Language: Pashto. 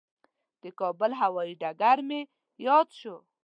د کابل هوایي ډګر مې یاد شو.